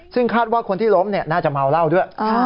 ซึ่งคาดว่าคนที่ล้มน่าจะเมาเหล้าด้วย